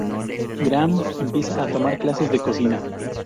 Graham empieza a tomar clases de cocina.